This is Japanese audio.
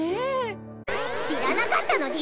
知らなかったのでぃすか？